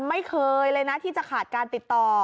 ไม่เคยเลยนะที่จะขาดการติดต่อ